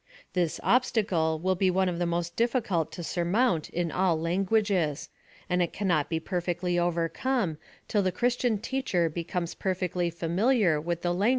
This obstacle will be one of the most difficult to sur mount in all languages ; and it cannot be perfectly overcome, till the christian teacher becomes perfectly familiar with the lan g ja???